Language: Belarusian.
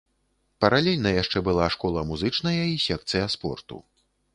Паралельна яшчэ была школа музычная і секцыя спорту.